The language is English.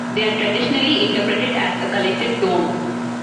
They are traditionally interpreted as a collective tomb.